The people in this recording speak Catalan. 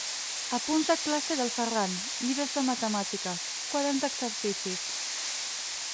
Apunts de classe del Ferran, llibres de matemàtiques, quaderns d'exercicis.